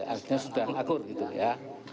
artinya sudah ngakur gitu ya